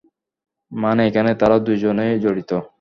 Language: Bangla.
মানে এখানে তারা দুজনেই জড়িত।